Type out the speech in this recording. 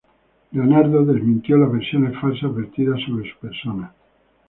Leonardo desmintió las versiones falsas vertidas sobre su persona.